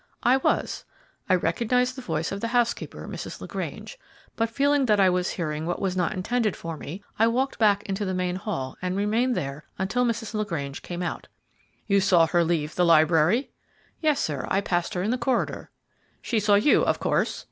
"I was. I recognized the voice of the housekeeper, Mrs. LaGrange; but feeling that I was hearing what was not intended for me, I walked back into the main hall and remained there until Mrs. LaGrange came out." "You saw her leave the library?" "Yes, sir; I passed her in the corridor." "She saw you, of course?"